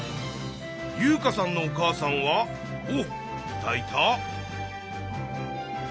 優華さんのお母さんは。おっいたいた。